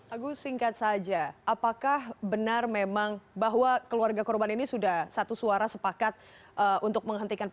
agus singkat saja apakah benar memang bahwa keluarga korban ini sudah satu suara sepakat untuk menghentikan